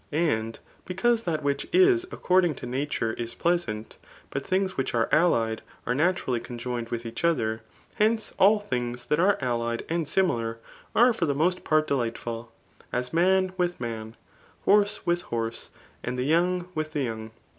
And because tihat whiefa 18 according to nature is j|>lea8aat, but things which tee allied are naturally conjoined with each other, hehce all things that are allied and similar, are for the most part deHghtful ; as man with man, horse with horse, and the young with the young.